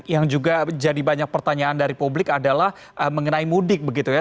yang juga jadi banyak pertanyaan dari publik adalah mengenai mudik begitu ya